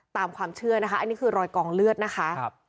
ตามความเชื่อนะคะอันนี้คือรอยกองเลือดนะคะ